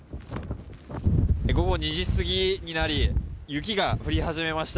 午後２時過ぎになり雪が降り始めました。